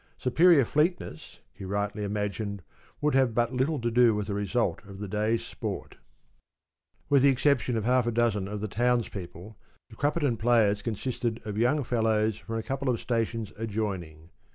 Superior fleetness, he rightly imagined, would have but little to do with the result of the day's sport. With the exception of half a dozen of the townspeople, the Crupperton players consisted of young fellows from a couple of stations adjoining.